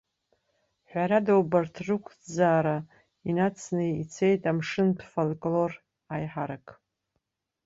Ҳәарада, убарҭ рықәӡаара инацны ицеит амшынтә фольклор аиҳарак.